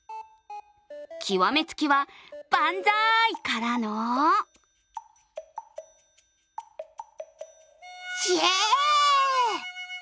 極めつきはバンザーイからのシェー！